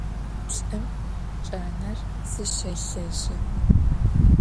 Lh'ım caner zışêlhejı.